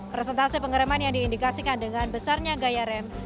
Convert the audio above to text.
presentasi pengereman yang diindikasikan dengan besarnya gaya rem